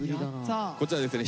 こちらですね